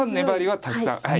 粘りはたくさん。